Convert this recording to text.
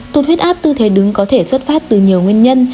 tụt huyết áp tư thế đứng có thể xuất phát từ nhiều nguyên nhân